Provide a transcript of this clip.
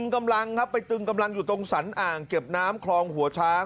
หาวหาวหาวหาวหาวหาวหาวหาวหาวหาว